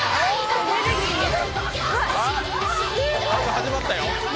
始まったよ。